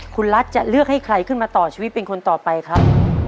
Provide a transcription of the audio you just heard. คุณรัฐจะเลือกให้ใครขึ้นมาต่อชีวิตเป็นคนต่อไปครับ